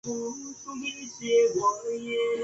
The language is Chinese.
随着剧情的发展古物的入侵越来越频繁。